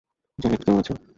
Janet কেমন আছে?